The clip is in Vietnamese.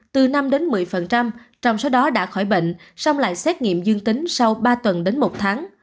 từ năm đến một mươi trong số đó đã khỏi bệnh xong lại xét nghiệm dương tính sau ba tuần đến một tháng